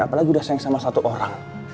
apalagi udah sayang sama satu orang